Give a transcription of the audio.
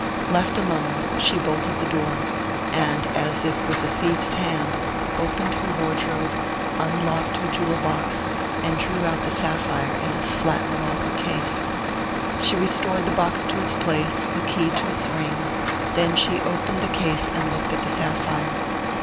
Left alone, she bolted the door, and as if with a thief's hand, opened her wardrobe, unlocked her jewel box, and drew out the sapphire in its flat morocco case. She restored the box to its place, the key to its ring then she opened the case and looked at the sapphire.